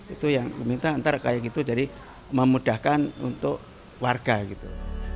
itu yang diminta ntar kayak gitu jadi memudahkan untuk warga gitu